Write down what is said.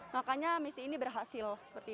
makanya misi ini berhasil